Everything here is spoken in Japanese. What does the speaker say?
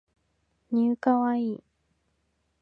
new kawaii